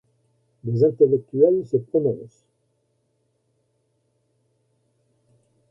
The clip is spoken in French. Des intellectuels se prononcent.